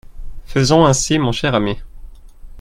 Faisons ainsi mon cher ami.